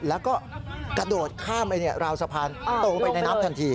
แล้วก็กระโดดข้ามไปราวสะพานโตไปในน้ำทันที